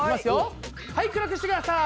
はい暗くしてください！